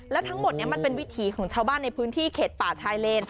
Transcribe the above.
แล้วทั้งหมดนี้มันเป็นวิถีของชาวบ้านในพื้นที่เขตป่าชายเลน